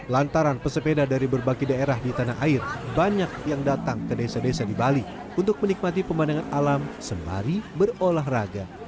lantaran pesepeda dari berbagai daerah di tanah air banyak yang datang ke desa desa di bali untuk menikmati pemandangan alam sembari berolahraga